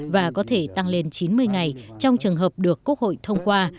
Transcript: và có thể tăng lên chín mươi ngày trong trường hợp được quốc hội thông qua